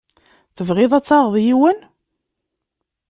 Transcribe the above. Tebɣiḍ ad taɣeḍ yiwen?